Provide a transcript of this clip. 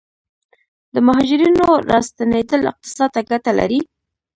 د مهاجرینو راستنیدل اقتصاد ته ګټه لري؟